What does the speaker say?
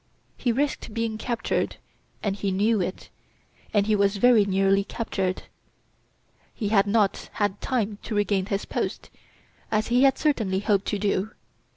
He risked being captured, and he knew it. And he was very nearly captured. He had not had time to regain his post, as he had certainly hoped to do.